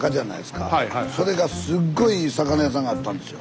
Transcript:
スタジオそれがすっごいいい魚屋さんがあったんですよ。